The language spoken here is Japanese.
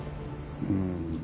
うん。